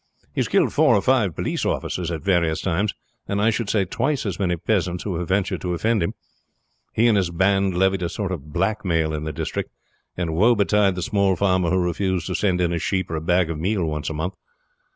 "He has killed four or five police officers at various times, and I should say twice as many peasants who have ventured to offend him. He and his band levied a sort of blackmail in the district, and woe betide the small farmer who refused to send in a sheep or a bag of meal once a month.